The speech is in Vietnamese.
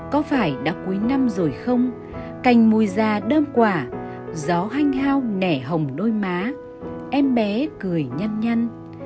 có phải đã cuối năm rồi không cành mùi già đơm quả gió hanh hao nẻ hồng đôi má em bé cười nhăm nhăn